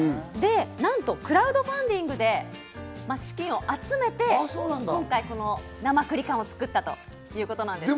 なんとクラウドファンディングで資金を集めて、今回このなまくり缶を作ったということです。